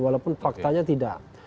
walaupun faktanya tidak